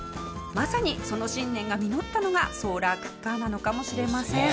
まさにその信念が実ったのがソーラークッカーなのかもしれません。